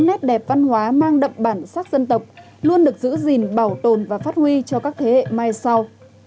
nét đẹp văn hóa mang đậm bản sắc dân tộc luôn được giữ gìn bảo tồn và phát huy cho các thế hệ mai sau